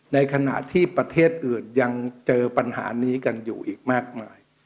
ในขณะที่ประเทศอื่นยังเจอปัญหานี้กันอยู่อีกมากมาย